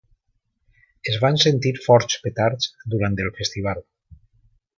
Es van sentir forts petards durant el festival.